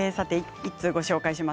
一通、ご紹介します。